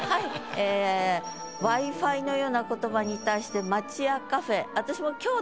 ええＷｉ−Ｆｉのような言葉に対して町屋カフェ。